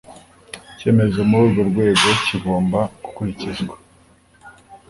icyemezo muri urwo rwego kigomba gukurikizwa